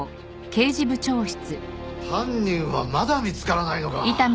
犯人はまだ見つからないのか！？